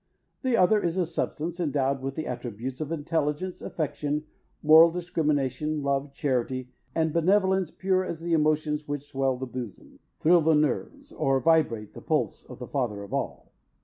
The other is a substance endowed with the attributes of intelligence, affection, moral discrimination, love, charity, and benevolence pure as the emotions which swell the bosom, thrill the nerves, or vibrate the pulse of the Father of all.